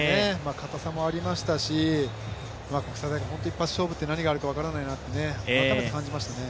かたさもありましたし、国際大会、本当に何があるか分からないと、改めて感じました。